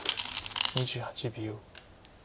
２８秒。